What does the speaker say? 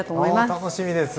あ楽しみです。